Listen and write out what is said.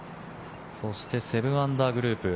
そして７アンダーグループ。